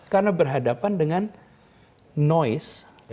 karena berhadapan dengan noise